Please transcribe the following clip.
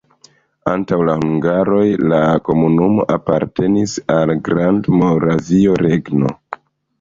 Antaŭ la hungaroj la komunumo apartenis al Grandmoravia Regno.